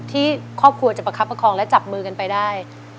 ที่ครอบครัวจะประคับประคองและจับมือกันไปได้